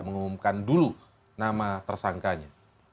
mengumumkan dulu nama tersangkanya